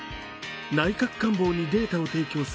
内閣官房にデータを提供